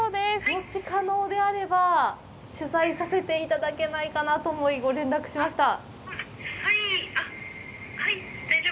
もし可能であれば、取材させていただけないかなと思い、ご連絡しました。